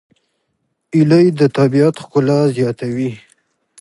هیلۍ د طبیعت ښکلا زیاتوي